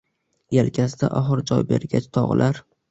Yelkasidan oxir joy bergach tog‘lar